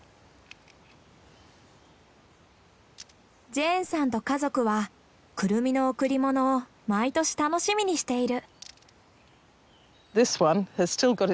ジェーンさんと家族はクルミの贈り物を毎年楽しみにしている。